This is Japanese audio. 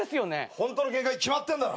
ホントのケンカに決まってんだろ。